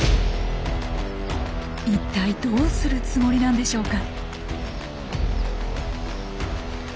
一体どうするつもりなんでしょうか。